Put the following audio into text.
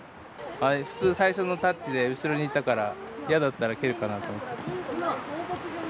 普通最初のタッチで後ろにいたから嫌だったら蹴るかなと思ったけど。